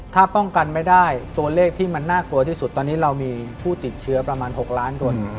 ถ้าป้องกันไม่ได้ตัวเลขที่มันน่ากลัวที่สุดตอนนี้เรามีผู้ติดเชื้อประมาณ๖ล้านคน